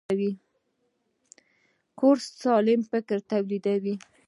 کورس د سالم فکر تولیدوي.